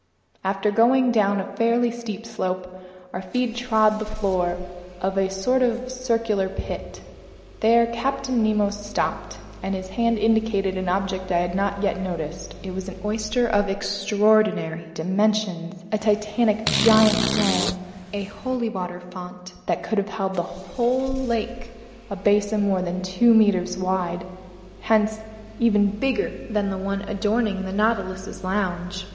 After going down a fairly steep slope, our feet trod the floor of a sort of circular pit. There Captain Nemo stopped, and his hand indicated an object that I hadn't yet noticed. It was an oyster of extraordinary dimensions, a titanic giant clam, a holy water font that could have held a whole lake, a basin more than two meters wide, hence even bigger than the one adorning the Nautilus's lounge.